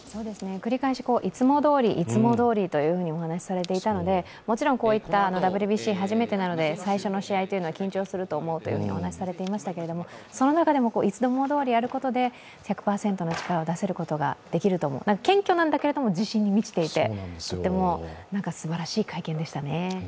繰り返しいつもどおり、いつもどおりとお話されていたのでもちろんこういったＷＢＣ初めてなので最初の試合は緊張すると思うと話していましたがその中でもいつもどおりやることで１００％の力を出せることができると謙虚なんだけど自信に満ちていて、とってもすばらしい会見でしたね。